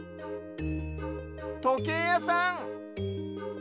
とけいやさん！